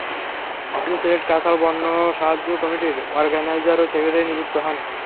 তিনি সিলেট কাছাড় বন্যা সাহায্য কমিটির অর্গেনাইজার ও সেক্রেটারী নিযুক্ত হন।